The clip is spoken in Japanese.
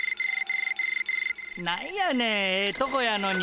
何やねんええとこやのに。